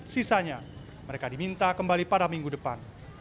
sisanya mereka diminta kembali pada minggu depan